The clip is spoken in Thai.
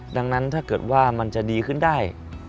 ดังนั้นถ้าเกิดว่ามันจะดีขึ้นได้